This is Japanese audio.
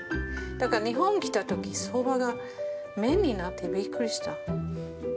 だから日本来た時そばが麺になってびっくりした。